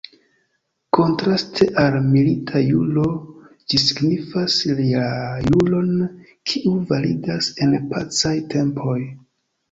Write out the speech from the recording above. Kontraste al "milita juro" ĝi signifas la juron, kiu validas en pacaj tempoj.